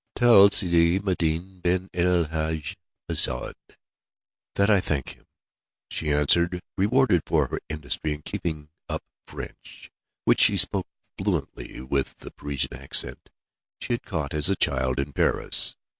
"Tell Sidi Maïeddine ben el Hadj Messaoud that I thank him," she answered, rewarded for her industry in keeping up French, which she spoke fluently, with the Parisian accent she had caught as a child in Paris.